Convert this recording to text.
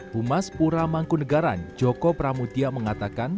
pumas pura mangkunegaran joko pramutia mengatakan